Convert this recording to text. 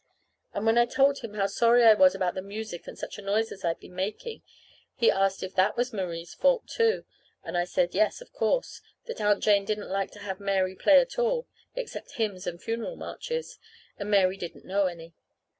And when I told him how sorry I was about the music and such a noise as I'd been making, he asked if that was Marie's fault, too; and I said yes, of course that Aunt Jane didn't like to have Mary play at all, except hymns and funeral marches, and Mary didn't know any.